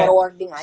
forwarding aja sih